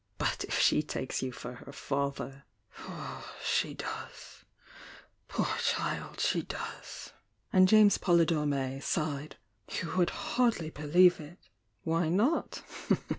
"But if she takes you for her father " "She does— poor child, she does!" and James Poly dore May sighed. "You would hardly believe "Why not?"